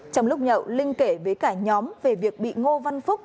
trong lúc nhậu linh kể với cả nhóm về việc bị ngô văn phúc